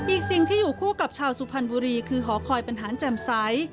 อีกสิ่งที่อยู่คู่กับชาวสุพรรณบุรีคือหอคอยบรรหารแจ่มใส